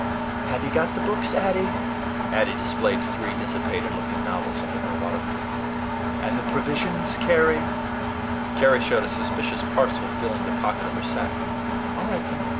"Have you got the books, Addy?" Addy displayed three dissipated looking novels under her waterproof. "And the provisions, Carry?" Carry showed a suspicious parcel filling the pocket of her sack. "All right, then.